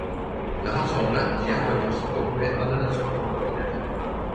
Daha sonra Diyarbakırspor ve Adanaspor'da oynadı.